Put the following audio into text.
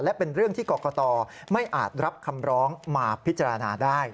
และเป็นเรื่องที่กรกตไม่อาจรับคำร้องมาพิจารณาได้